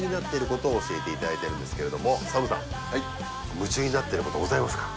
夢中になってることございますか？